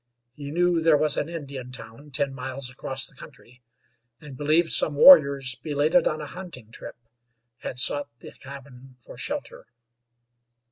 He knew there was an Indian town ten miles across the country, and believed some warriors, belated on a hunting trip, had sought the cabin for shelter.